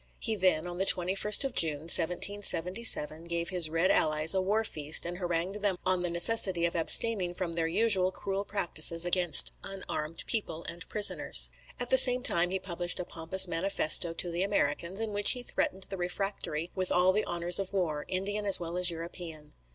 He then, on the 21st of June, 1777, gave his Red Allies a war feast, and harangued them on the necessity of abstaining from their usual cruel practices against unarmed people and prisoners. At the same time he published a pompous manifesto to the Americans, in which he threatened the refractory with all the horrors of war, Indian as well as European.